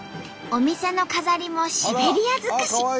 お店の飾りもシベリア尽くし！